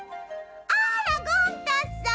「あらゴン太さん。